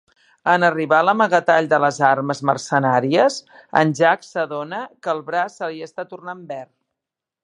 En arribar a l'amagatall de les armes mercenàries, en Jack s'adona que el braç se li està tornant verd.